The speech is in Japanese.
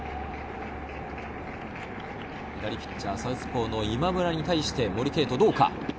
左ピッチャー、サウスポーの今村に対して森敬斗、どうか？